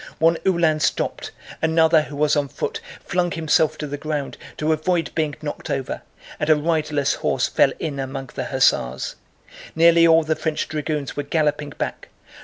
One Uhlan stopped, another who was on foot flung himself to the ground to avoid being knocked over, and a riderless horse fell in among the hussars. Nearly all the French dragoons were galloping back.